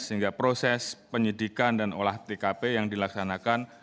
sehingga proses penyidikan dan olah tkp yang dilaksanakan